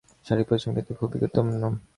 শারীরিক পরিশ্রম কিন্তু খুবই গুরুত্বপূর্ণ।